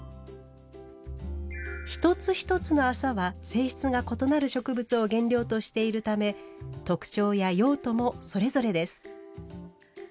一つ一つの麻は性質が異なる植物を原料としているため特徴や用途もそれぞれです。